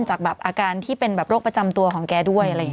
จากแบบอาการที่เป็นโรคประจำตัวของแกด้วย